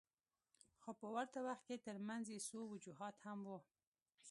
خو په ورته وخت کې ترمنځ یې څو وجوهات هم وو.